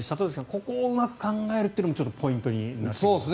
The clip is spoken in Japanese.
ここをうまく考えるというのもちょっとポイントになってきますね。